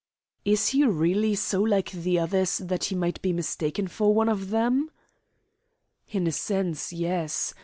"Is he really so like the others that he might be mistaken for one of them?" "In a sense, yes.